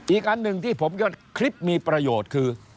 อีกอันหนึ่งที่ผมยอดคลิปมีประโยชน์คือ